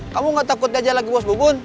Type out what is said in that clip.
kamu gak takut aja lagi bos bubun